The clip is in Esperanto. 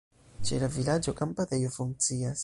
Ĉe la vilaĝo kampadejo funkcias.